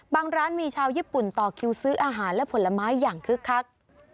ร้านมีชาวญี่ปุ่นต่อคิวซื้ออาหารและผลไม้อย่างคึกคัก